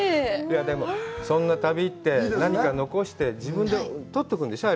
でも、そんな旅って、何か残して、自分で取っておくんでしょう？